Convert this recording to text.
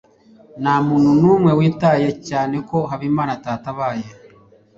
ntamuntu numwe witaye cyane ko habimana atatabaye